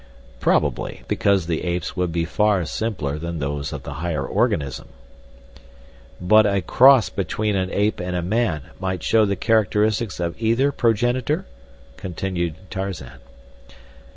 "Probably, because the ape's would be far simpler than those of the higher organism." "But a cross between an ape and a man might show the characteristics of either progenitor?" continued Tarzan.